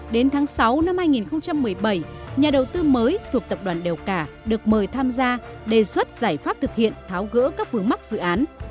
đến tháng sáu năm hai nghìn một mươi bảy nhà đầu tư mới thuộc tập đoàn đèo cả được mời tham gia đề xuất giải pháp thực hiện tháo gỡ các vướng mắc dự án